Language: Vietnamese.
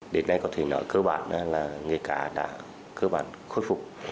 đến nay có thể nói cơ bản là nghề cá đã cơ bản khôi phục